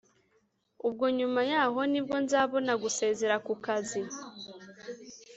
ubwo nyuma yaho nibwo nzabona gusezera ku kazi